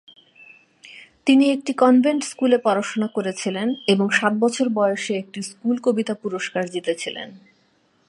তিনি একটি কনভেন্ট স্কুলে পড়াশোনা করেছিলেন এবং সাত বছর বয়সে একটি "স্কুল কবিতা পুরস্কার" জিতেছিলেন।